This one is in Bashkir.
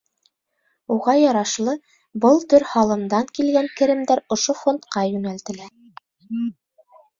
Уға ярашлы, был төр һалымдан килгән керемдәр ошо Фондҡа йүнәлтелә.